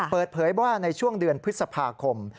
เปิดเผยว่าในช่วงเดือนพฤษภาคม